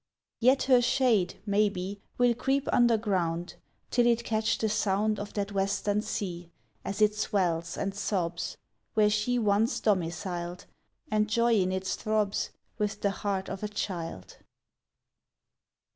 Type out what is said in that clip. Yet her shade, maybe, Will creep underground Till it catch the sound Of that western sea As it swells and sobs Where she once domiciled, And joy in its throbs With the heart of a child.